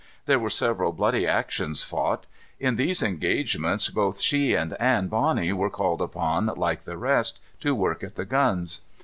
There were several bloody actions fought. In these engagements both she and Anne Bonny were called upon, like the rest, to work at the guns.